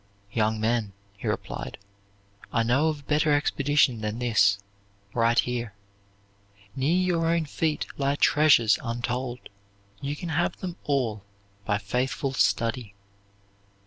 "Young men," he replied, "I know of a better expedition than this, right here. Near your own feet lie treasures untold; you can have them all by faithful study.